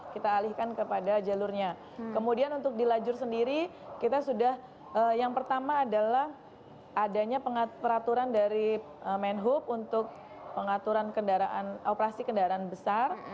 kita alihkan kepada jalurnya kemudian untuk di lajur sendiri kita sudah yang pertama adalah adanya peraturan dari menhub untuk pengaturan kendaraan operasi kendaraan besar